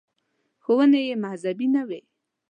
• ښوونې یې مذهبي نه وې.